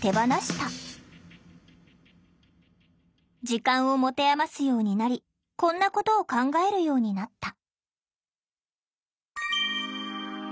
時間を持て余すようになりこんなことを考えるようになった。